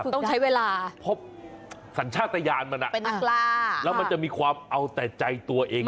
ต้องใช้เวลาเพราะสัญชาติยานมันเป็นนักกีฬาแล้วมันจะมีความเอาแต่ใจตัวเอง